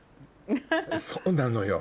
そうなのよ